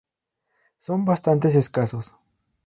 Son bastantes escasos.